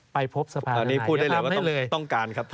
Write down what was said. ไปพบสภาตอนนี้พูดได้เลยว่าต้องการครับ